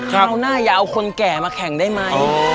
คราวหน้าอย่าเอาคนแก่มาแข่งได้ไหม